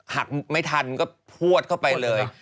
หักไม่ทันก็พวดเข้าไปเลย